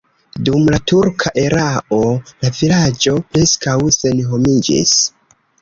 Dum la turka erao la vilaĝo preskaŭ senhomiĝis.